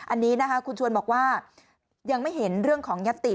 อันนี้นะคะคุณชวนบอกว่ายังไม่เห็นเรื่องของยัตติ